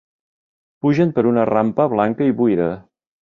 Pugen per una rampa blanca i buida.